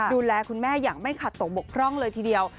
ดูแลคุณแม่อย่างไม่ขาดตกบกพร่องเลยทีเดียว